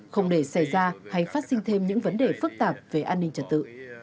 không để xảy ra hay phát sinh thêm những vấn đề phức tạp về an ninh trật tự